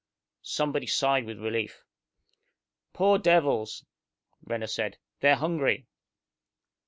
Somebody sighed in relief. "Poor devils!" Renner said. "They're hungry!"